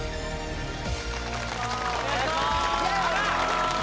お願いします！